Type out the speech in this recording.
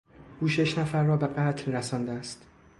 او شش نفر را به قتل رسانده است.